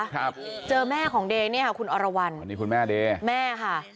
ครับเจอแม่ของเดย์เนี่ยค่ะคุณอรวรรณวันนี้คุณแม่เดย์แม่ค่ะ